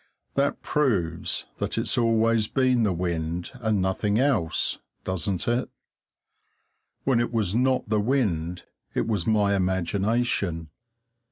That proves that it's always been the wind and nothing else, doesn't it? When it was not the wind, it was my imagination.